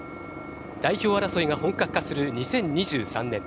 代表争いが本格化する２０２３年。